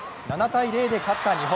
７−０で勝った日本。